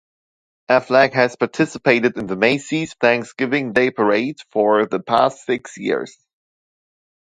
Aflac has participated in the Macy's Thanksgiving Day Parade for the past six years.